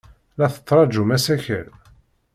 La tettṛajum asakal?